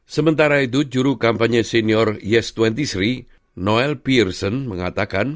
sementara itu juru kampanye senior yes dua puluh sri noel peerson mengatakan